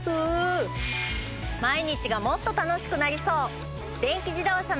毎日がもっと楽しくなりそう！